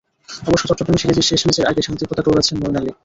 অবশ্য চট্টগ্রামে সিরিজের শেষ ম্যাচের আগে শান্তির পতাকা ওড়াচ্ছেন মঈন আলী।